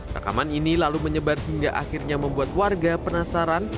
rekaman ini lalu menyebar hingga akhirnya membuat warga penasaran